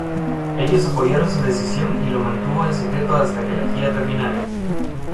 Ellos apoyaron su decisión y lo mantuvo en secreto hasta que la gira terminara.